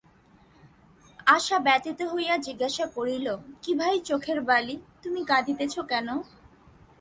আশা ব্যথিত হইয়া জিজ্ঞাসা করিল, কী ভাই চোখের বালি, তুমি কাঁদিতেছ কেন?